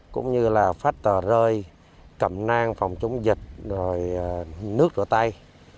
cũng như là phát tờ rơi cẩm nang phòng chống dịch nước rửa tay